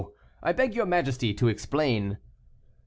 I beg your majesty to explain."